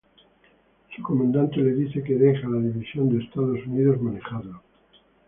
Su comandante le dice que deje a la división de Estados Unidos manejarlo.